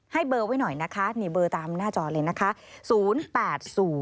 เบอร์ไว้หน่อยนะคะนี่เบอร์ตามหน้าจอเลยนะคะ